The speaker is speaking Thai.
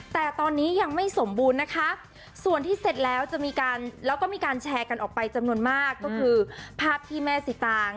แต่ตอนนี้ยังไม่สมบูรณ์นะคะส่วนที่เสร็จแล้วจะมีการแล้วก็มีการแชร์กันออกไปจำนวนมากก็คือภาพที่แม่สิตาง